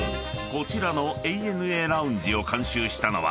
こちらのＡＮＡＬＯＵＮＧＥを監修したのは］